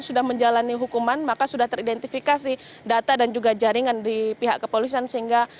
sudah menjalani hukuman maka sudah teridentifikasi data dan juga jaringan di pihak kepolisian sehingga